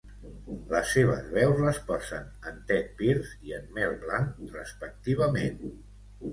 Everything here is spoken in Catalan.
Les seves veus les posen en Tedd Pierce i en Mel Blanc, respectivament.